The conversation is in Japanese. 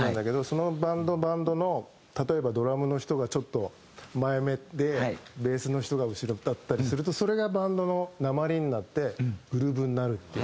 そのバンドバンドの例えばドラムの人がちょっと前めでベースの人が後ろだったりするとそれがバンドの訛りになってグルーヴになるっていう。